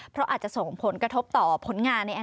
เพราะอาจจะส่งผลกระทบต่อผลงาน